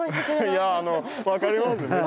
いやあの分かりますよ。